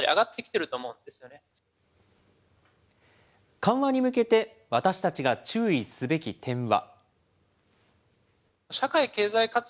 緩和に向けて、私たちが注意すべき点は。